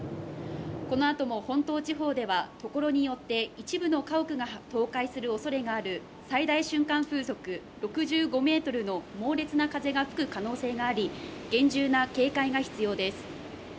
このあとも本島地方ではところによって一部の家屋が倒壊するおそれがある最大瞬間風速６５メートルの猛烈な風が吹く可能性があり厳重な警戒が必要です。